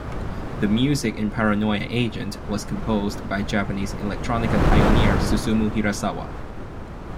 The music in "Paranoia Agent" was composed by Japanese electronica pioneer Susumu Hirasawa.